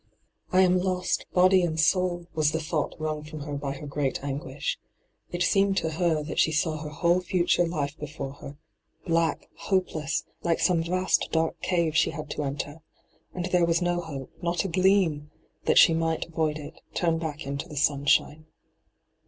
' I am lost, body and soul,' was the thought wrung from her by her great anguish. It seemed to her that she saw her whole future life before her — ^black, hopeless, Uke some vast dark cave she had to enter — and there was no hope — not a gleam — that she might avoid it, turn back into the sunshine.